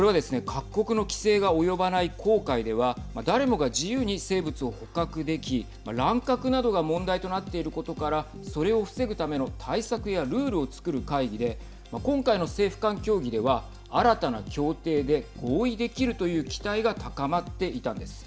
各国の規制が及ばない公海では誰もが自由に生物を捕獲でき乱獲などが問題となっていることからそれを防ぐための対策やルールを作る会議で今回の政府間協議では新たな協定で合意できるという期待が高まっていたんです。